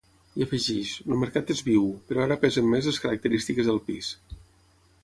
I afegeix: El mercat és viu, però ara pesen més les característiques del pis.